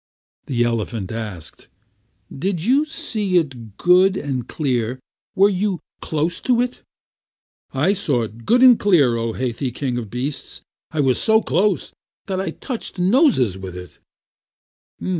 The elephant asked: "Did you see it good and clear? Were you close to it?" "I saw it good and clear, O Hathi, King of Beasts. I was so close that I touched noses with it."